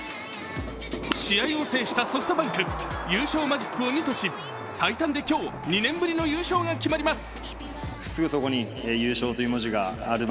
試合を制したソフトバンク、優勝マジックを２とし最短で今日、２年ぶりの優勝が決まります。